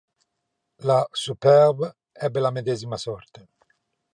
La "Superbe" ebbe la medesima sorte.